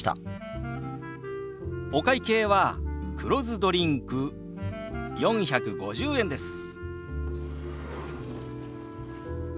お会計は黒酢ドリンク４５０円です。